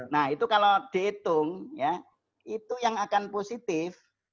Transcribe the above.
nah itu kalau dihitung ya itu yang akan positif